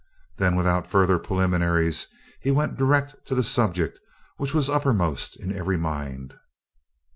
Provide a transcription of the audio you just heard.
Then, without further preliminaries, he went direct to the subject which was uppermost in every mind.